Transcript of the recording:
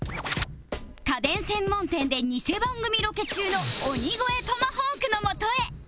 家電専門店でニセ番組ロケ中の鬼越トマホークのもとへ